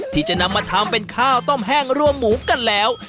ที่จะนำมาทำเป็นข้าวต้มแห้งรวมหมูกันแล้ว